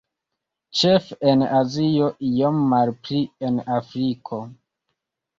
Ĉefe en Azio, iom malpli en Afriko.